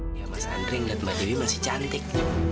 ya mas andre ngeliat mbak dewi masih cantik